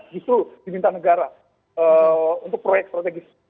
justru diminta negara untuk proyek strategis